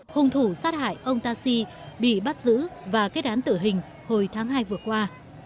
hùng thủ sát hại ông taxi bị bắt giữ và kết án tử hình hồi tháng hai vừa qua